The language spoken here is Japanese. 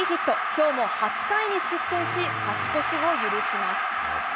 きょうも８回に失点し、勝ち越しを許します。